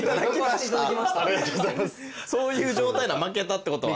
そういう状態だ負けたってことは。